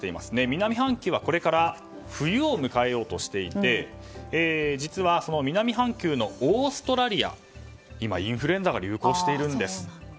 南半球はこれから冬を迎えようとしていて実は南半球のオーストラリアでは今、インフルエンザが流行しているんです。